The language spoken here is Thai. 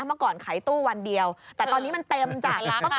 เมื่อก่อนขายตู้วันเดียวแต่ตอนนี้มันเต็มจ้ะ